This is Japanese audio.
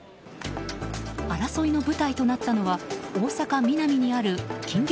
争いの舞台となったのは大阪・ミナミにある金龍